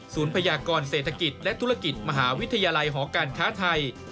พยากรเศรษฐกิจและธุรกิจมหาวิทยาลัยหอการค้าไทย